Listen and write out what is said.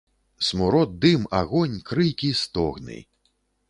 Смурод, дым, агонь, крыкі, стогны.